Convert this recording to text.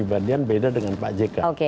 kita bisa melihatnya berbeda dengan pak jk